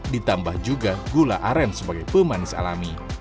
ditambah juga gula aren sebagai pemanis alami